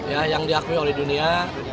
ya yang diakui oleh dunia